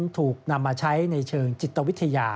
ถูกนำมาใช้ในเชิงจิตวิทยา